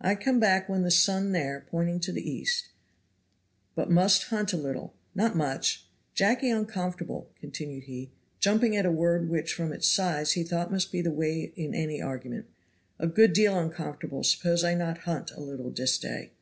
"I come back when the sun there," pointing to the east, "but must hunt a little, not much. Jacky uncomfortable," continued he, jumping at a word which from its size he thought must be of weight in any argument, "a good deal uncomfortable suppose I not hunt a little dis day."